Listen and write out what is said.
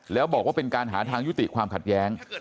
แล้วบอกว่าเป็นการหาทางยุติความขัดแย้ง